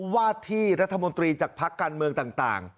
ว่าที่รัฐมนตรีจากพักการเมืองต่าง